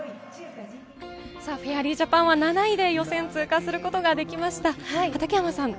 フェアリージャパンは７位で予選を通過することができました。